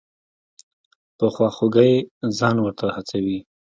په خواخوږۍ ځان ورته هڅوي.